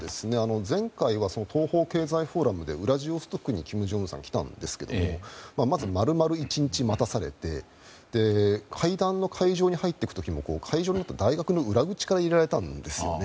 前回は東方経済フォーラムでウラジオストクに金正恩さん来たんですけどまず、丸々１日待たされて会談の会場に入っていく時も大学の裏口のようなところから入れられたんですね。